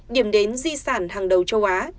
điểm đến di sản hàng đầu châu á